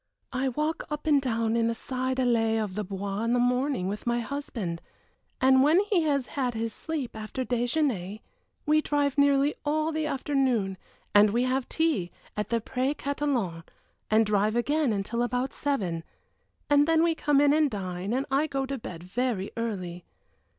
"I walk up and down in the side allées of the Bois in the morning with my husband, and when he has had his sleep, after déjeuner, we drive nearly all the afternoon, and we have tea, at the Pré Catalan and drive again until about seven, and then we come in and dine, and I go to bed very early.